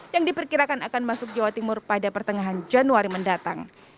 yang diperkirakan akan masuk jawa timur pada pertengahan januari mendatang